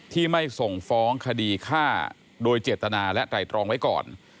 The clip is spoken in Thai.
ที่ไม่ส่งฟ้องคดีฆ่าโดยเจตนาและไตรตรองไว้ก่อน